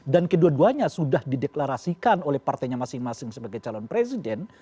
dan kedua duanya sudah dideklarasikan oleh partainya masing masing sebagai calon presiden